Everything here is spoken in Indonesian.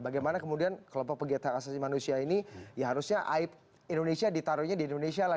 bagaimana kemudian kelompok pegiataan asasi manusia ini ya harusnya indonesia ditaruhnya di indonesia lah